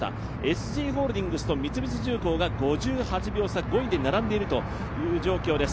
ＳＧホールディングスと三菱重工が５８秒差、５位で並んでいるという状況です。